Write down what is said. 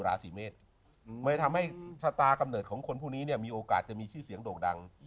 ราศีเมษมันจะทำให้ชะตากำเนิดของคนพวกนี้เนี่ยมีโอกาสจะมีชื่อเสียงโด่งดัง